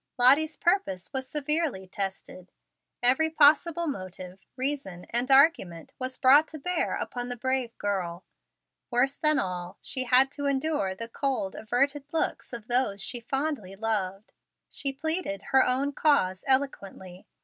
Lottie's purpose was severely tested. Every possible motive, reason, and argument was brought to bear upon the brave girl. Worse than all, she had to endure the cold, averted looks of those she fondly loved. She pleaded her own cause eloquently.